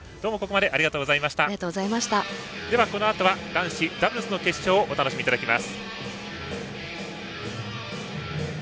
では、このあとは男子ダブルスの決勝をお楽しみいただきます。